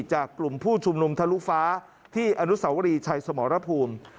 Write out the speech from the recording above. จากกลุ่มผู้ชุมนุมทะลุฟ้าที่อนุสาวรีชัยสมรภูมิ